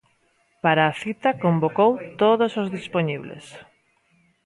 Para a cita convocou todos os dispoñibles.